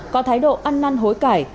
có thái độ ăn năn hối cải